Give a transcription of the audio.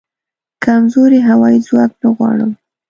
کمزوری هوایې ځواک نه غواړم